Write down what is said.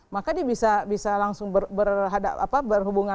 maka dia bisa langsung berhubungan